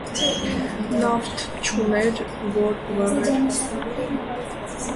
Նավթ չուներ, որ վառեր: